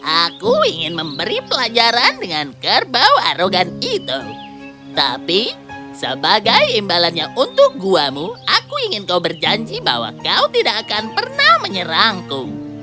aku ingin memberi pelajaran dengan kerbau arogan itu tapi sebagai imbalannya untuk guamu aku ingin kau berjanji bahwa kau tidak akan pernah menyerangku